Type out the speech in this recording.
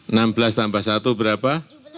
enam belas tambah satu berapa